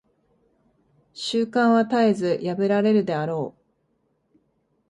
習慣は絶えず破られるであろう。